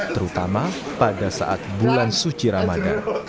terutama pada saat bulan suci ramadan